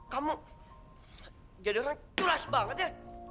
kamu jadi orang culas banget ya